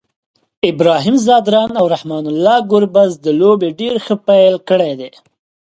ابراهیم ځدراڼ او رحمان الله ګربز د لوبي ډير ښه پیل کړی دی